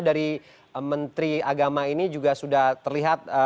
dari menteri agama ini juga sudah terlihat